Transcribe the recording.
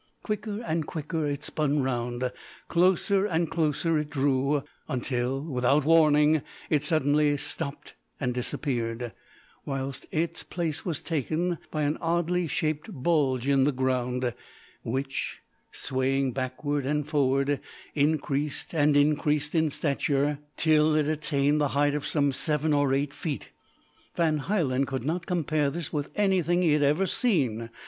Quicker and quicker it spun round closer and closer it drew; until, without warning, it suddenly stopped and disappeared; whilst its place was taken by an oddly shaped bulge in the ground, which, swaying backward and forward, increased and increased in stature, till it attained the height of some seven or eight feet. Van Hielen could not compare this with anything he had ever seen.